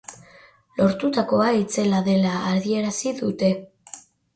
Lortutakoa itzela dela adierazi dute.